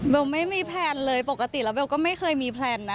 ไม่มีแพลนเลยปกติแล้วเบลก็ไม่เคยมีแพลนนะ